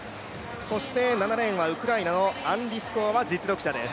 ７レーンのウクライナのアン・リシコワは実力者です。